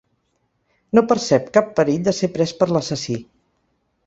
No percep cap perill de ser pres per l'assassí.